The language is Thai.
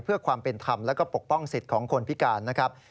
เพื่อความเป็นธรรมแล้วก็ปกป้องสิทธิ์ของคนพิการนะครับ